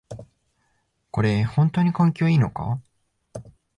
これ、ほんとに環境にいいのか？